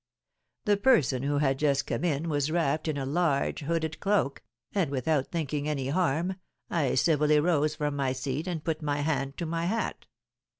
The person who had just come in was wrapped in a large hooded cloak, and, without thinking any harm, I civilly rose from my seat, and put my hand to my hat.